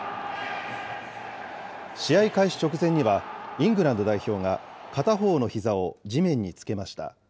試合開始直前には、イングランド代表が片方のひざを地面につけました。